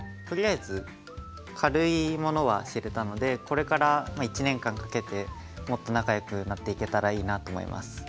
とりあえず軽いものは知れたのでこれから１年間かけてもっと仲よくなっていけたらいいなと思います。